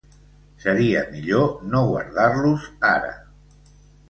Seria millor no guardar-los ara.